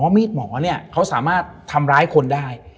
มีดหมอเนี่ยเขาสามารถทำร้ายคนได้